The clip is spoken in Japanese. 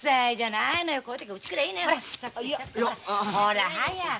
ほら早く！